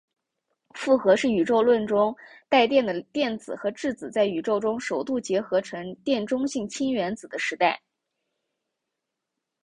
复合是宇宙论中带电的电子和质子在宇宙中首度结合成电中性氢原子的时代。